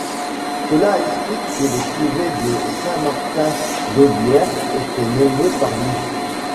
Cela explique que les curés de Saint-Martin-d'Ollières étaient nommés par lui.